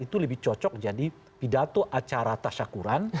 itu lebih cocok jadi pidato acara tasya kuran